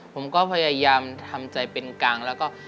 ผมก็พยายามทำใจเป็นกลางแล้วก็